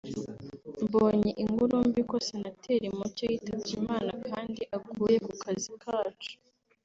“Mbonye inkuru mbi ko Senateri Mucyo yitabye Imana kandi aguye ku kazi kacu